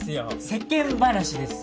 世間話です